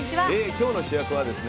今日の主役はですね